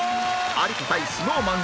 有田対 ＳｎｏｗＭａｎ